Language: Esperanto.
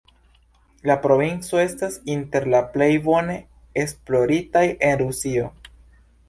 La provinco estas inter la plej bone esploritaj en Rusio.